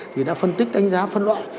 thì đã phân tích đánh giá phân loại